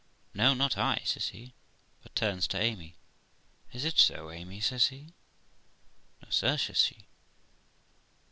'No, not I', says he; but turns to Amy, 'Is it so, Amy?' says he. 'No, sir', says she.